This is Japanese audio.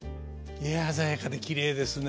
いや鮮やかできれいですね。